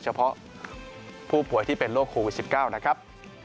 เฉพาะผู้ป่วยที่เป็นโรคโควิด๑๙นะครับ